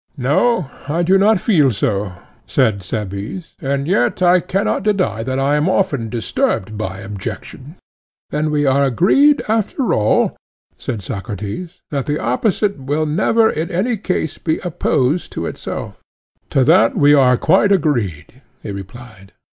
No, I do not feel so, said Cebes; and yet I cannot deny that I am often disturbed by objections. Then we are agreed after all, said Socrates, that the opposite will never in any case be opposed to itself? To that we are quite agreed, he replied.